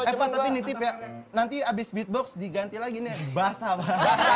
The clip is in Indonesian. eh pak tapi nih tip ya nanti abis beatbox diganti lagi nih basah pak